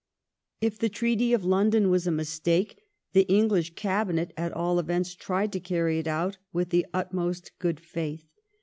If the Treaty of London was a mistake, the English Cabinet at all events tried to carry it out with the utmost good faith.